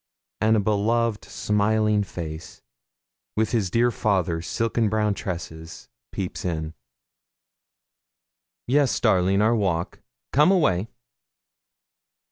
and a beloved smiling face, with his dear father's silken brown tresses, peeps in. 'Yes, darling, our walk. Come away!'